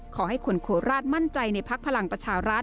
ขอให้คนโคราชมั่นใจในพักพลังประชารัฐ